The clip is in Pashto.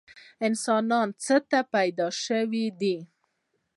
انسان څه ته پیدا شوی دی؟